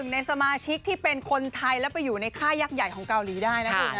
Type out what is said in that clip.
ในสมาชิกที่เป็นคนไทยแล้วไปอยู่ในค่ายยักษ์ใหญ่ของเกาหลีได้นะคุณนะ